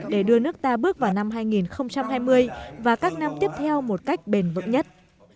để đưa nước ta bước vào năm hai nghìn hai mươi và các năm tiếp theo một cách bền vững nhất